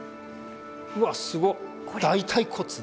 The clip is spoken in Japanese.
うわっすご。